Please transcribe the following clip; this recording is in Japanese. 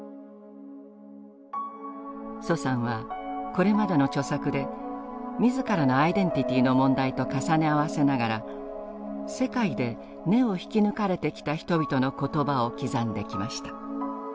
徐さんはこれまでの著作で自らのアイデンティティーの問題と重ね合わせながら世界で「根」を引き抜かれてきた人々の言葉を刻んできました。